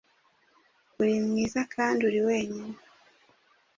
Uri mwiza, kandi uri wenyine;